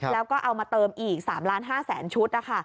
แล้วก็เอามาเติมอีก๓๕๐๐๐ชุด